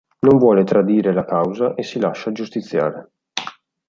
Non vuole tradire la causa e si lascia giustiziare.